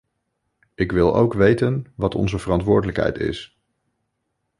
Ik wil ook weten wat onze verantwoordelijkheid is.